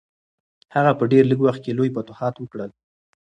هغه په ډېر لږ وخت کې لوی فتوحات وکړل.